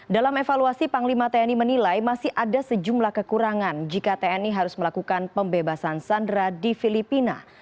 dalam evaluasi panglima tni menilai masih ada sejumlah kekurangan jika tni harus melakukan pembebasan sandera di filipina